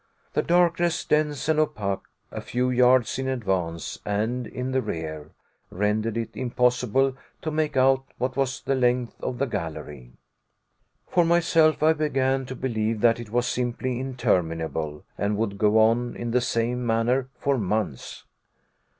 The darkness, dense and opaque a few yards in advance and in the rear, rendered it impossible to make out what was the length of the gallery. For myself, I began to believe that it was simply interminable, and would go on in the same manner for months.